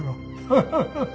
ハハハハハ。